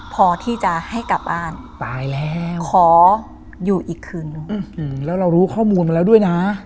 พอที่จะให้กลับบ้านตายแล้วขออยู่อีกคืนนึงแล้วเรารู้ข้อมูลมาแล้วด้วยนะ